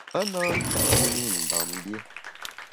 A na nta’ mi Ndam lié.